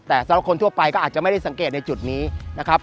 แต่สำหรับคนทั่วไปก็อาจจะไม่ได้สังเกตในจุดนี้นะครับ